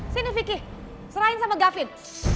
sini vicky serahin sama gavin